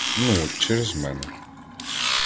Ну от, через мене.